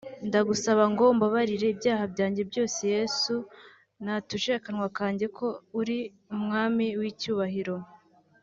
ndagusaba ngo umbabarire ibyaha byajye byose; Yesu natuje akanwa kanjye ko uri umwami w’icyubahiro